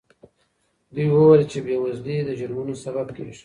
دوی وویل چې بې وزلي د جرمونو سبب کیږي.